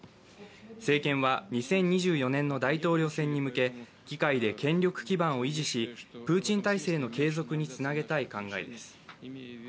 政権は２０２４年の大統領選に向け、議会で権力基盤を維持しプーチン体制の継続につなげたい考えです。